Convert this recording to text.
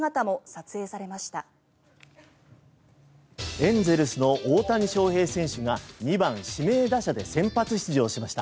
エンゼルスの大谷翔平選手が２番指名打者で先発出場しました。